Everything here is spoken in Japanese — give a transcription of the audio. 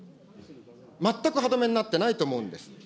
全く歯止めになってないと思うんです。